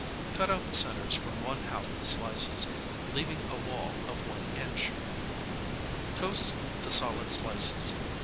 Cut out the centers from one half the slices, leaving a wall of one inch. Toast the solid slices.